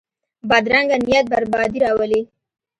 بدرنګه نیت بربادي راولي